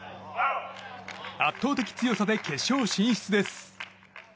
圧倒的強さで決勝進出です。